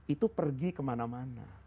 itu pergi kemana mana